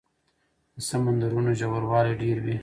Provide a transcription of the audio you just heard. د سمندرونو ژوروالی ډېر وي.